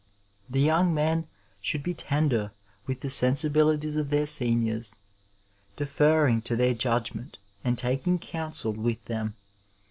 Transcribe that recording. The young men should be tender with the sensibilities of their seniors, deferring to their judgment and taking counsel with them.